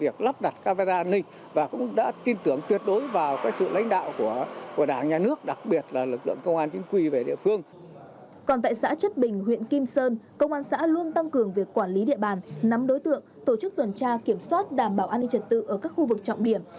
còn tại xã chất bình huyện kim sơn công an xã luôn tăng cường việc quản lý địa bàn nắm đối tượng tổ chức tuần tra kiểm soát đảm bảo an ninh trật tự ở các khu vực trọng điểm